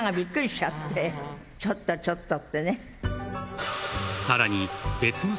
ちょっとちょっとちょっと君。